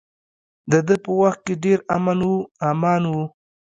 د ده په وخت کې ډیر امن و امان و.